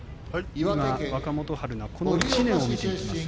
今、若元春のこの１年を見ています。